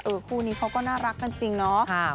เออคู่ก็น่ารักกันจริงนะ